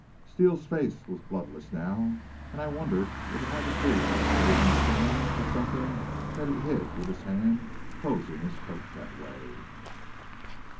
Steele's face was bloodless now, and I wondered if it had to do with her scathing scorn or something that he hid with his hand closing his coat that way.